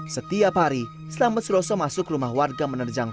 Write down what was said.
setiap hari selamat suroso masuk rumah warga menerjang tangga